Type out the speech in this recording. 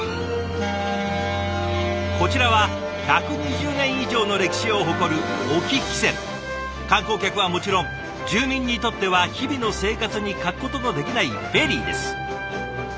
こちらは１２０年以上の歴史を誇る観光客はもちろん住民にとっては日々の生活に欠くことのできないフェリーです。